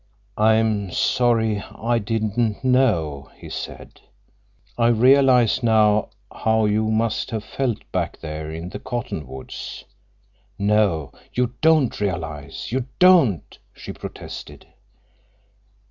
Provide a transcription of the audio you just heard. "I'm sorry I didn't know," he said. "I realize now how you must have felt back there in the cottonwoods." "No, you don't realize—you don't!" she protested.